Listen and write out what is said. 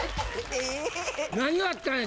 何があったんや！？